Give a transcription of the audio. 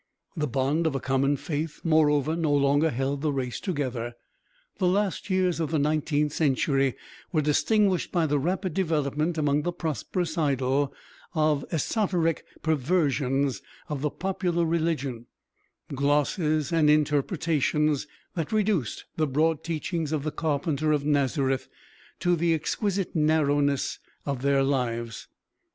The bond of a common faith, moreover, no longer held the race together. The last years of the nineteenth century were distinguished by the rapid development among the prosperous idle of esoteric perversions of the popular religion: glosses and interpretations that reduced the broad teachings of the carpenter of Nazareth to the exquisite narrowness of their lives.